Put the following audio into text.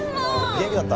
元気だった？